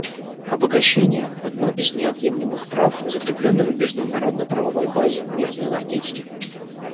Обогащение — одно из неотъемлемых прав, закрепленных в международно-правовой базе мирной энергетики.